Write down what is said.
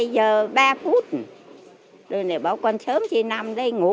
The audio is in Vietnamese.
hai giờ ba phút rồi bà còn sớm chị nằm đây ngủ